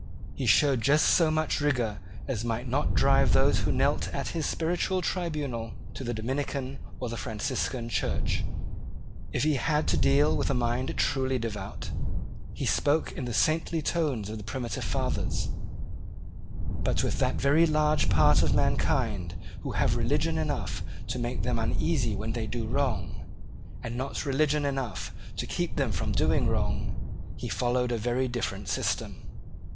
He showed just so much rigour as might not drive those who knelt at his spiritual tribunal to the Dominican or the Franciscan church. If he had to deal with a mind truly devout, he spoke in the saintly tones of the primitive fathers, but with that very large part of mankind who have religion enough to make them uneasy when they do wrong, and not religion enough to keep them from doing wrong, he followed a very different system.